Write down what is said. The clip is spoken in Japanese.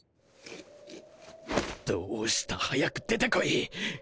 どうした早く出てこい。